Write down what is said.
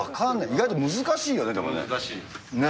意外と難しいよね、でもね。